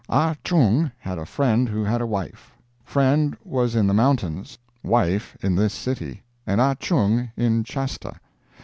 Ah Chung had a friend who had a wife; friend was in the mountains, wife in this city, and Ah Chung in Shasta.